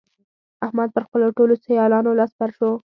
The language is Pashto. احمد پر خپلو ټولو سيالانو لاس بر شو.